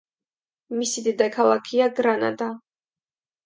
მისი დედაქალაქია გრანადა.